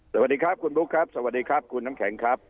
สวัสดีครับคุณบุ๊คครับสวัสดีครับคุณน้ำแข็งครับ